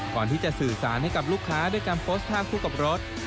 ก่อนที่จะสื่อสารให้กับลูกค้าด้วยการโพสต์ภาพคู่กับรถ